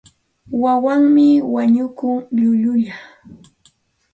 Wawanmi wañukun llullulla.